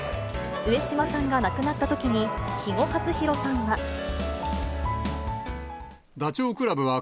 上島さんが亡くなったときに、肥後克広さんは。